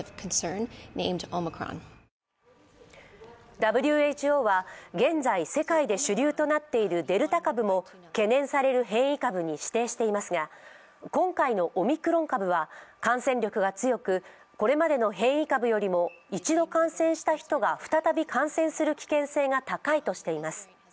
ＷＨＯは、現在、世界で主流となっているデルタ株も懸念される変異株に指定していますが、今回のオミクロン株は感染力が強くこれまでの変異株よりも一度感染した人が再び感染する危険性が高いとしています。